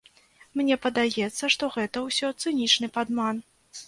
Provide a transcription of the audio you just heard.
Мне падаецца, што гэта ўсё цынічны падман.